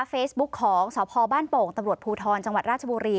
เฟซบุ๊คของสพบ้านโป่งตำรวจภูทรจังหวัดราชบุรี